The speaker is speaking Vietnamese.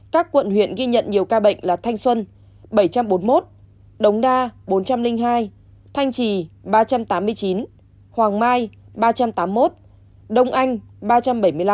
các quận huyện ghi nhận nhiều ca bệnh là thanh xuân bảy trăm bốn mươi một đống đa bốn trăm linh hai thanh trì ba trăm tám mươi chín hoàng mai ba trăm tám mươi một đông anh ba trăm bảy mươi năm ca